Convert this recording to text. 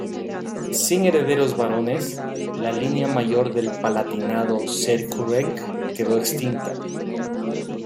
Sin herederos varones, la línea mayor del Palatinado-Zweibrücken quedó extinta.